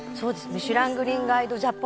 『ミシュラン・グリーンガイド・ジャポン』